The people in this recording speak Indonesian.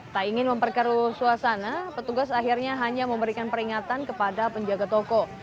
tak ingin memperkeru suasana petugas akhirnya hanya memberikan peringatan kepada penjaga toko